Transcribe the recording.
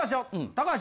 高橋。